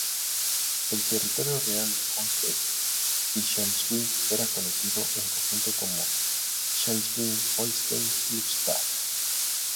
El territorio real de Holstein y Schleswig era conocido en conjunto como Schleswig-Holstein-Glückstadt.